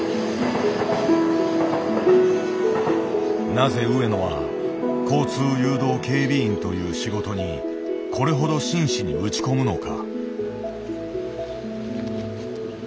なぜ上野は交通誘導警備員という仕事にこれほど真摯に打ち込むのか。